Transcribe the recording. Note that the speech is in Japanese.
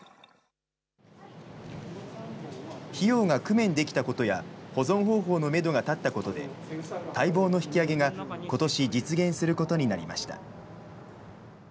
費用が工面できたことや、保存方法のメドが立ったことで、待望の引き揚げが、ことし、実現することになりました。